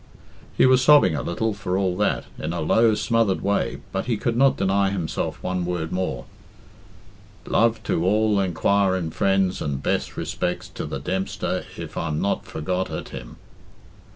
He was sobbing a little, for all that, in a low, smothered way, but he could not deny himself one word more "luv to all enquirin frens and bess respecs to the Dempster if im not forgot at him."